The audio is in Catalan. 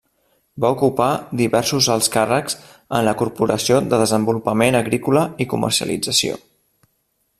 Va ocupar diversos alts càrrecs en la Corporació de Desenvolupament Agrícola i Comercialització.